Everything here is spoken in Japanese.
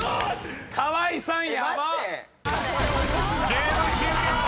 ［ゲーム終了！］